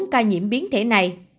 bốn ca nhiễm biến thể này